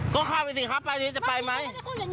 ก็ข้างไปที่ครับไปจะไปไหม